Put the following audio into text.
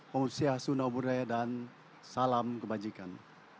komunisiasi nauburaya dan salam kebajikan